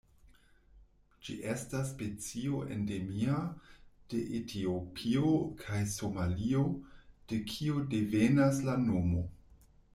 Ĝi estas specio endemia de Etiopio kaj Somalio, de kio devenas la nomo.